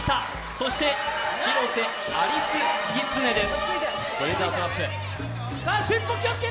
そして、広瀬アリス狐です。